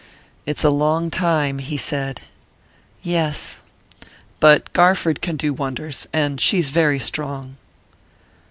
"It's a long time," he said. "Yes." "But Garford can do wonders and she's very strong."